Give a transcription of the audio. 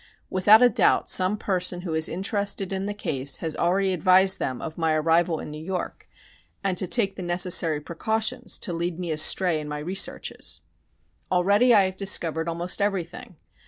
Without a doubt some person who is interested in the case has already advised them of my arrival in New York, and to take the necessary precautions to lead me astray in my researches. Already I have discovered almost everything.